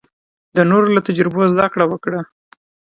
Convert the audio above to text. د نورو له تجربو زده کړه وکړه.